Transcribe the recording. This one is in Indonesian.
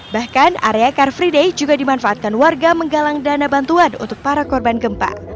bahkan area car free day juga dimanfaatkan warga menggalang dana bantuan untuk para korban gempa